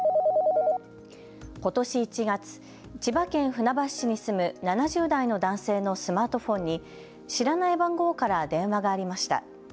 ことし１月、千葉県船橋市に住む７０代の男性のスマートフォンに知らない番号から電話がありました。